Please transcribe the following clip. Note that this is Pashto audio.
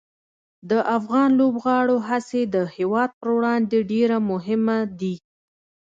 د افغان لوبغاړو هڅې د هېواد پر وړاندې ډېره مهمه دي.